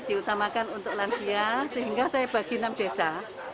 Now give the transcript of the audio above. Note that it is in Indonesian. diutamakan untuk lansia sehingga saya bagi enam desa